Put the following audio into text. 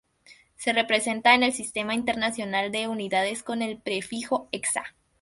Se representa en el Sistema internacional de unidades con el prefijo Exa.